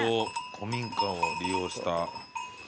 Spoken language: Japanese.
古民家を利用した。